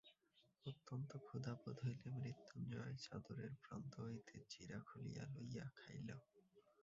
অত্যন্ত ক্ষুধা বোধ হইলে মৃত্যুঞ্জয় চাদরের প্রান্ত হইতে চিঁড়া খুলিয়া লইয়া খাইল।